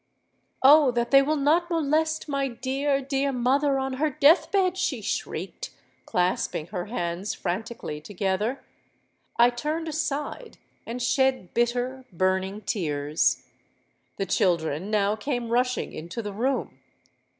—'Oh! that they will not molest my dear, dear mother on her death bed!' she shrieked, clasping her hands franticly together. I turned aside, and shed bitter—burning tears. The children now came rushing into the room.